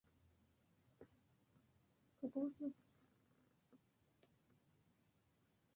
গারবারগার মৃত্যুর পর, অ্যাডিলেড কঠোর বেনেডিক্টের শাসন চালু করে।